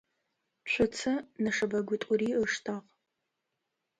Цуцэ нэшэбэгуитӏури ыштагъ.